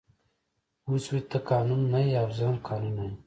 پوه شوې ته قانون نه یې او زه هم قانون نه یم